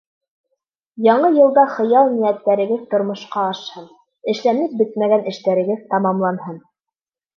Яңы йылда хыял-ниәттәрегеҙ тормошҡа ашһын, эшләнеп бөтмәгән эштәрегеҙ тамамланһын.